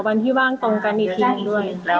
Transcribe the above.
ไม่รีบมาก่อนครับแล้ว